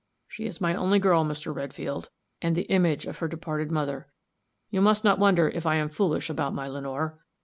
She is my only girl, Mr. Redfield, and the image of her departed mother. You must not wonder if I am foolish about my Lenore.